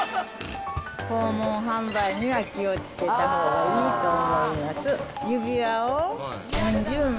訪問販売には気をつけたほうがいいと思います。